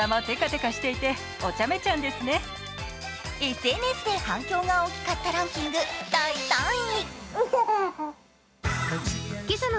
ＳＮＳで反響が大きかったランキング第３委員。